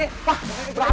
wah berantem lu kan ya